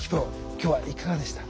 今日はいかがでした？